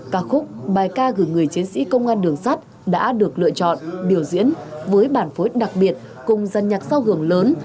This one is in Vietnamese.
các khúc bài ca gửi người chiến sĩ công an đường sắt đã được lựa chọn biểu diễn với bản phối đặc biệt cùng dàn nhạc sao hưởng lớn